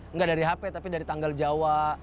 enggak dari hp tapi dari tanggal jawa